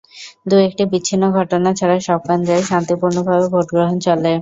দু একটি বিচ্ছিন্ন ঘটনা ছাড়া সব কেন্দ্রেই শান্তিপূর্ণভাবে ভোট গ্রহণ চলে।